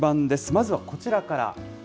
まずはこちらから。